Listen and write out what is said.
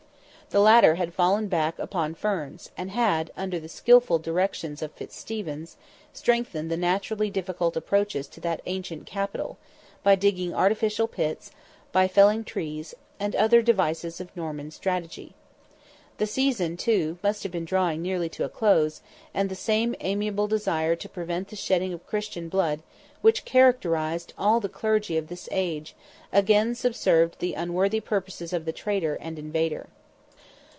The latter had fallen back upon Ferns, and had, under the skilful directions of Fitzstephen, strengthened the naturally difficult approaches to that ancient capital, by digging artificial pits, by felling trees, and other devices of Norman strategy. The season, too, must have been drawing nearly to a close, and the same amiable desire to prevent the shedding of Christian blood, which characterized all the clergy of this age, again subserved the unworthy purposes of the traitor and invader.